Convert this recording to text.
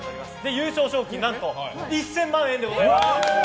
優勝賞金が何と１０００万円でございます！